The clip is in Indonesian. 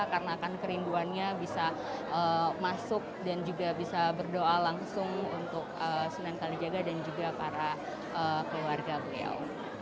karena akan kerinduannya bisa masuk dan juga bisa berdoa langsung untuk sunan kalijaga dan juga para keluarga beliau